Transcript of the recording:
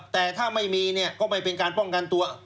แต่ถ้าไม่มีเนี่ยก็ไม่เป็นการป้องกันตัว